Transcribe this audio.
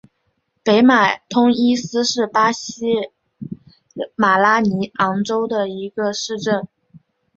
北马通伊斯是巴西马拉尼昂州的一个市镇。